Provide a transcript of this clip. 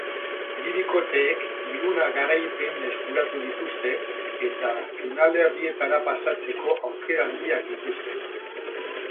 Bi bikoteek hiruna garaipen eskuratu dituzte eta finalerdietara pasatzeko aukera handiak dituzte.